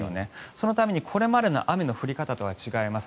そのために、これまでの雨の降り方とは違います。